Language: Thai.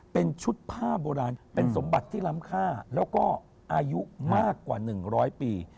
เป็นชุดผ้าโบราณเป็นสมบัติที่ล้ำค่าแล้วก็อายุมากกว่า๑๐๐ปี